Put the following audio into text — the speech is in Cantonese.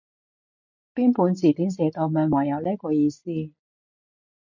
邊本字典寫到明話有呢個意思？